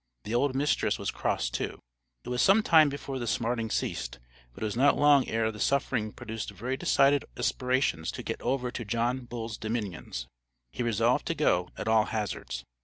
The old mistress was cross too." It was some time before the smarting ceased, but it was not long ere the suffering produced very decided aspirations to get over to John Bull's Dominions. He resolved to go, at all hazards.